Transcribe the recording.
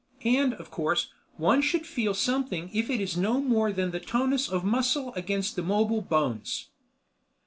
And, of course, one should feel something if it is no more than the tonus of muscle against the mobile bones.